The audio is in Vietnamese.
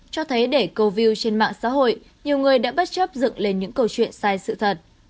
cho thấy để câu view trên mạng xã hội nhiều người đã bất chấp dựng lên những câu chuyện sai sự thật